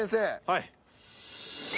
はい。